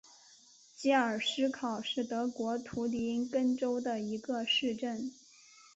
基尔施考是德国图林根州的一个市镇。